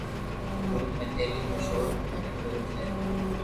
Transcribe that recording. ملڪ ۾ تعليمي شعور پکيڙڻ جي ضرورت آهي.